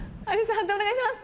判定お願いします。